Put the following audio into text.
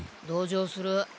同情する。